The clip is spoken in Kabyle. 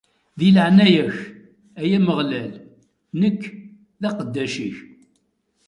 Di leɛnaya-k, ay Ameɣlal, nekk, d aqeddac-ik!